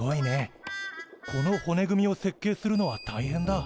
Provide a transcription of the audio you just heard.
この骨組みを設計するのは大変だ。